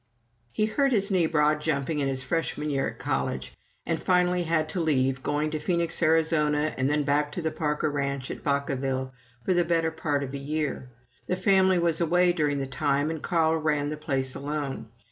He hurt his knee broad jumping in his Freshman year at college, and finally had to leave, going to Phoenix, Arizona, and then back to the Parker ranch at Vacaville for the better part of a year. The family was away during that time, and Carl ran the place alone.